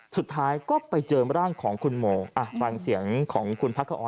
สุดท้ายก็ไปเจอร่างของคุณโมอ่ะฟังเสียงของคุณพักขออ